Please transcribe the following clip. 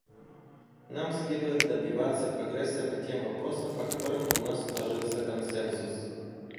Нам следует добиваться прогресса по тем вопросам, по которым у нас сложился консенсус.